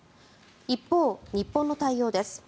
一方、日本の対応です。